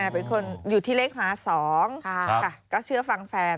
เป็นคนอยู่ที่เลขหา๒ก็เชื่อฟังแฟน